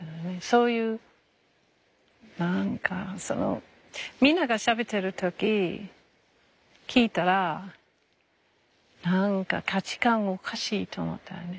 そういう何かそのみんながしゃべってる時聞いたら何か価値観おかしいと思ったよね。